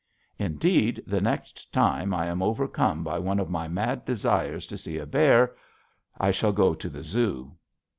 Indeed, the next time I am overcome by one of my mad desires to see a bear, I shall go to the zoo.